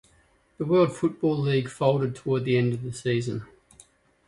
The World Football League folded toward the end of the season.